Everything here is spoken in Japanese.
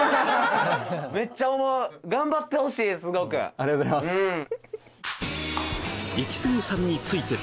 ありがとうございますうん？